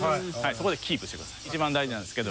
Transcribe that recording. そこでキープしてください。